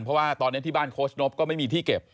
เพราะว่าตอนนี้ที่บ้านโคชนบก็ไม่มีที่เก็บ